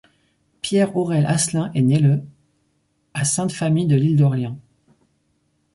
Pierre-Aurèle Asselin est né le à Sainte-Famille-de-l'Île-d'Orléans.